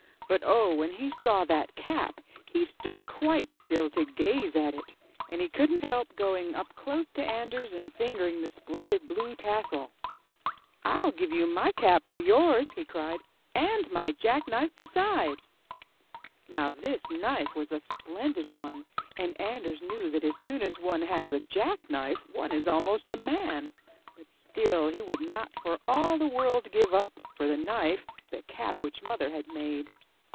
But oh, when he saw that cap, he stood quite still to gaze at it, and he could not help going up close to Anders and fingering the splendid blue tassel. *'ril give you my cap for yours," he cried, and my jack knife besides!'* Now this knife was a splendid one, and Anders knew that as soon as one has a jack knife, one is almost a man. But still he would not for all the world give up, for the knife, the cap which Mother had made.